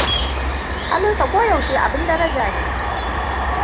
Halinsa koyaushe abin daraja ne.